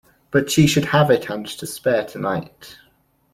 But she should have it and to spare tonight.